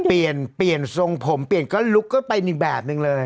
เปลี่ยนเปลี่ยนทรงผมเปลี่ยนก็ลุคก็เป็นอีกแบบนึงเลย